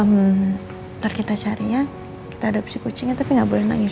ntar kita cari ya kita ada si kucingnya tapi gak boleh nangis